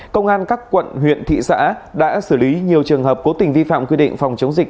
công an các quận huyện thị xã đã xử lý nhiều trường hợp cố tình vi phạm quy định phòng chống dịch